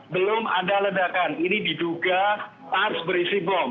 belum ada ledakan ini diduga tas berisi bom